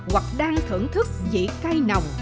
hoặc đang thưởng thức vị cay nồng